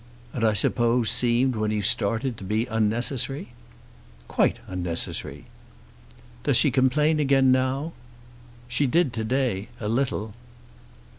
"And I suppose seemed when you started to be unnecessary?" "Quite unnecessary." "Does she complain again now?" "She did to day a little."